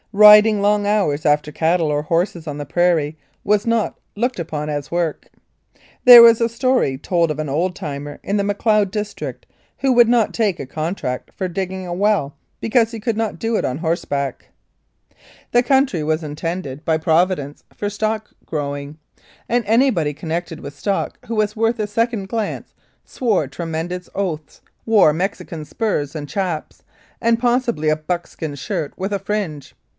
Riding long hours after cattle or horses on the prairie was not looked upon as work. There was a story told of an old timer in the Macleod district who would not take a contract for digging a well because he could not do it on horseback. The country was intended by 50 1888. Lethbridge Providence for stock growing, and anybody connected with stock who was worth a second glance swore tre mendous oaths, wore Mexican spurs and schappes, and possibly a buckskin shirt with a fringe.